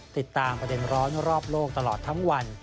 ติดตามประเด็นร้อนรอบโลกตลอดทั้งวัน